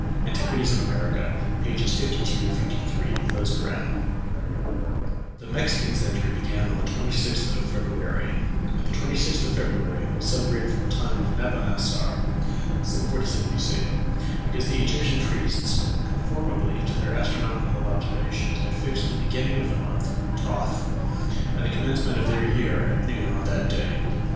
("Antiquities of America," pp. 52, 53.) The Mexican century began on the 26th of February, and the 26th of February was celebrated from the time of Nabonassor, 747 B.C., because the Egyptian priests, conformably to their astronomical observations, had fixed the beginning of the month Toth, and the commencement of their year, at noon on that day.